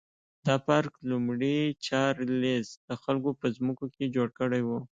دا پارک لومړي چارلېز د خلکو په ځمکو کې جوړ کړی و.